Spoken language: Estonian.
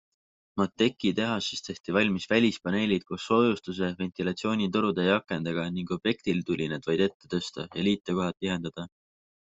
Mateki tehases tehti valmis välispaneelid koos soojustuse, ventilatsioonitorude ja akendega ning objektil tuli need vaid ette tõsta ja liitekohad tihendada.